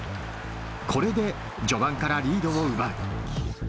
これで序盤からリードを奪う。